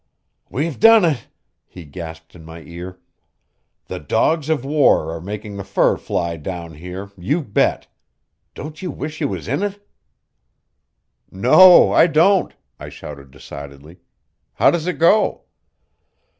"We've done it!" he gasped in my ear. "The dogs of war are making the fur fly down here, you bet! Don't you wish you was in it?" "No, I don't!" I shouted decidedly. "How does it go?"